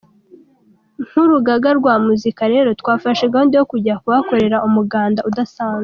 Nk’urugaga rwa muzika rero twafashe gahunda yo kujya kuhakorera umuganda udasanzwe.